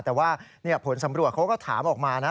แต่ว่าผลสำรวจเขาก็ถามออกมานะ